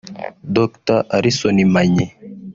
Dr Alison Manyi